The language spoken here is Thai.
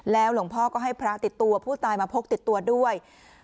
หลวงพ่อก็ให้พระติดตัวผู้ตายมาพกติดตัวด้วย